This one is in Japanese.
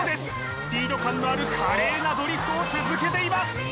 スピード感のある華麗なドリフトを続けています